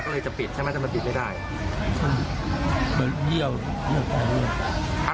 ก็เลยจะปิดใช่ไหมจะมาปิดไม่ได้ใช่